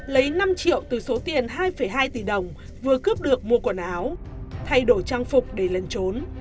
lấy năm triệu từ số tiền hai hai tỷ đồng vừa cướp được mua quần áo thay đổi trang phục để lần trốn